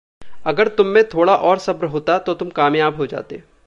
अगर तुममें थोड़ा और सब्र होता तो तुम कामयाब हो जाते।